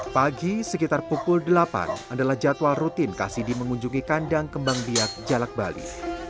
pagi sekitar pukul delapan adalah jadwal rutin kasidi mengunjungi kandang kembang biak jalak bali